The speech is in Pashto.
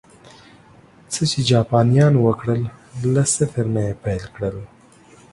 څه چې جاپانيانو وکړل، له صفر نه یې پیل کړل